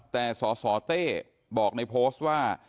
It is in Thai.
แต่สสเต้โพสต์ว่า